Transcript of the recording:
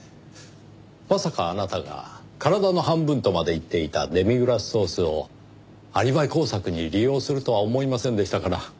まさかあなたが体の半分とまで言っていたデミグラスソースをアリバイ工作に利用するとは思いませんでしたから。